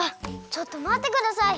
ちょっとまってください！